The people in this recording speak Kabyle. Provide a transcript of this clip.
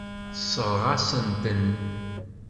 Tessṛeɣ-asent-ten.